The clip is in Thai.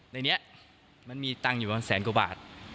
ในนี้มันมีตังค์อยู่ประมาณแสนกว่าบาท